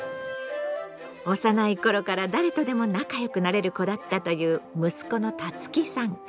幼い頃から誰とでも仲良くなれる子だったという息子のタツキさん。